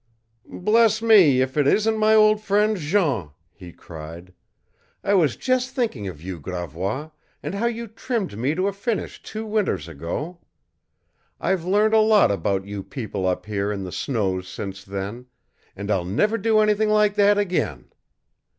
"Bless me, if it isn't my old friend, Jean!" he cried. "I was just thinking of you, Gravois, and how you trimmed me to a finish two winters ago. I've learned a lot about you people up here in the snows since then, and I'll never do anything like that again."